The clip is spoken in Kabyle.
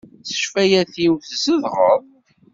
Di ccfayat-iw tzedɣeḍ.